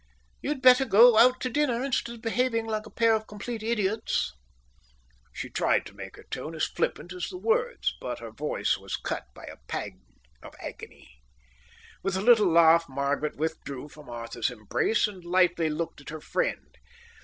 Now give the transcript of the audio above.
"You'd far better go out to dinner instead of behaving like a pair of complete idiots." She tried to make her tone as flippant as the words, but her voice was cut by a pang of agony. With a little laugh, Margaret withdrew from Arthur's embrace and lightly looked at her friend.